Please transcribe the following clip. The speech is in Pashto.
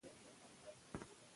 له غلې- دانو ډوډۍ ټولې برخې لري.